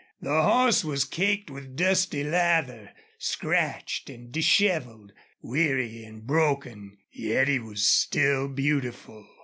The horse was caked with dusty lather, scratched and disheveled, weary and broken, yet he was still beautiful.